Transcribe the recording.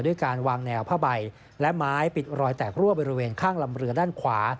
ด้วยการวางแนวผ้าใบและไม้ปิดรอยแตกรั่วบริเวณข้างลำเรือด้านขวา